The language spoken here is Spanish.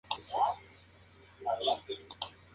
Afortunadamente, la gente no cree en esto.